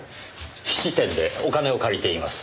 質店でお金を借りています。